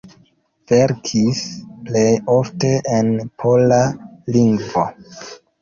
Verkis plej ofte en pola lingvo.